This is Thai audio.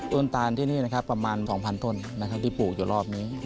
ต้นต่านที่นี่ประมาณ๒๐๐๐ต้นที่ปลูกอยู่รอบนี้